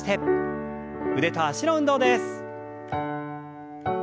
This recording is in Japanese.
腕と脚の運動です。